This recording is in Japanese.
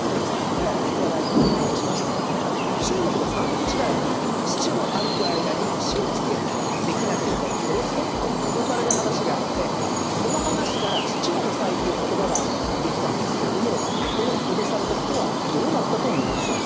では話題を戻しまして中国で三国時代に７歩歩く間に詩を作れできなければ殺すぞと脅される話があってこの話から七歩の才という言葉ができたんですけれどもこの脅された人はどうなったと思います？